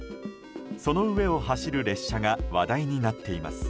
その上を走る列車が話題になっています。